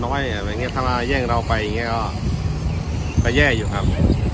น้อยอะไรอย่างเงี้ยถ้ามาแย่งเราไปอย่างเงี้ยก็แต่แย่อยู่ครับ